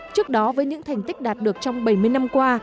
trước đó với những thành tích đạt được trong bảy mươi năm qua